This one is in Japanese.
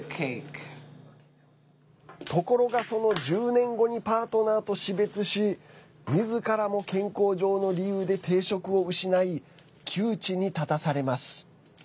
ところが、その１０年後にパートナーと死別しみずからも健康上の理由で定職を失い、窮地に立たされます。